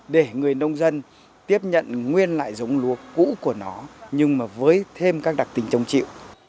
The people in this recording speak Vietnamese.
để người nông dân tiếp nhận nguyên lại giống lúa cũ của nó nhưng mà với thêm các đặc tính chống chịu